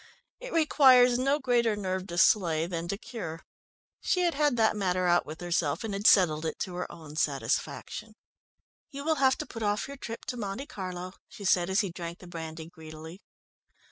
It requires no greater nerve to slay than to cure. She had had that matter out with herself, and had settled it to her own satisfaction. "You will have to put off your trip to Monte Carlo," she said, as he drank the brandy greedily.